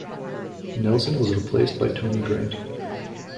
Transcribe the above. Nelson was replaced by Tony Grant.